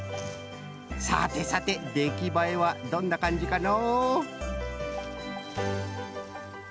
さてさてできばえはどんなかんじかのう？